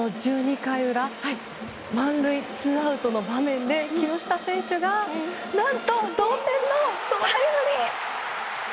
１２回裏満塁、ツーアウトの場面で木下選手が何と、同点のタイムリー。